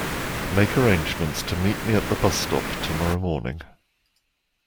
Make arrangements to meet me at the bus stop tomorrow morning.